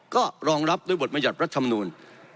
ก็รองรับโดยบทบัญญัตรรธรรมนูน